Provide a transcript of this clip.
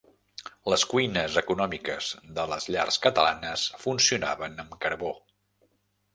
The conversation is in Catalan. Les cuines econòmiques de les llars catalanes funcionaven amb carbó.